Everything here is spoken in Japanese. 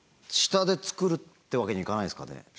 下で作るってわけにいかないですかね？